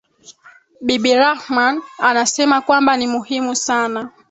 Bibi Rahman anasema kwamba Ni muhimu sana